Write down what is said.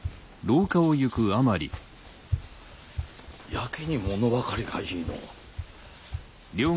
やけにもの分かりがいいのう。